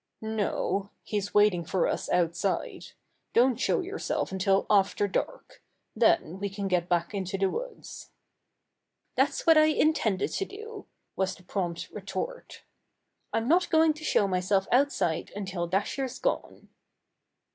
"No, he's waiting for us outside. Don't show yourself until after dark. Then we can get back into the woods." "That's what I intended to do," was the prompt retort. "I'm not going to show my self outside until Dasher's gone."